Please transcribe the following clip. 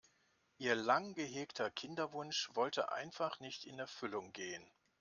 Ihr lang gehegter Kinderwunsch wollte einfach nicht in Erfüllung gehen.